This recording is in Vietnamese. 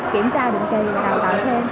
kiểm tra được thì đào tạo thêm